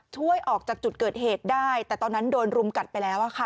ช่วยออกจากจุดเกิดเหตุได้แต่ตอนนั้นโดนรุมกัดไปแล้วค่ะ